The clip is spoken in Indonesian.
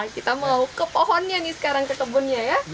kita mau ke pohonnya nih sekarang ke kebunnya ya